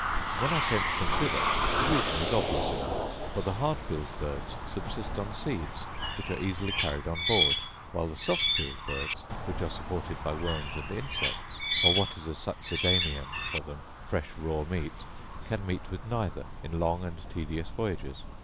When I came to consider, the reason was obvious enough; for the hard billed birds subsist on seeds, which are easily carried on board; while the soft billed birds, which are supported by worms and insects, or, what is a succedaneum for them, fresh raw meat, can meet with neither in long and tedious voyages.